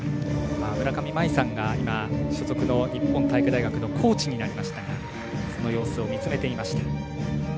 村上茉愛さんが所属の日本体育大学のコーチになりましたがその様子を見つめていました。